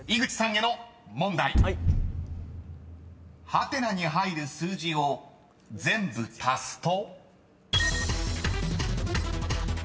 ［ハテナに入る数字を全部足すと？］